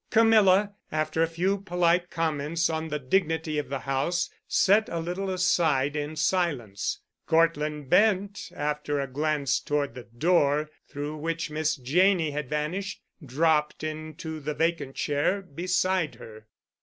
Camilla, after a few polite comments on the dignity of the house, sat a little aside in silence. Cortland Bent, after a glance toward the door through which Miss Janney had vanished, dropped into the vacant chair beside her.